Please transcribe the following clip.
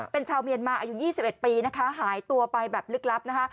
เป็นชาวเมียนมาอายุ๒๑ปีนะคะหายตัวไปแบบลึกลับนะคะ